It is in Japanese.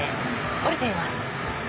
降りてみます。